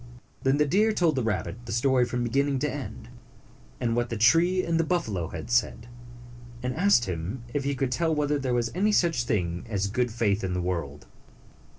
Then the deer told the rabbit the story from beginning to end, and what the tree and the buffalo had said, and asked him if he could tell whether there was any such thing as good faith in the world.